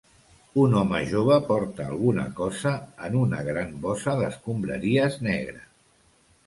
Un home jove porta alguna cosa en una gran bossa d'escombraries negre.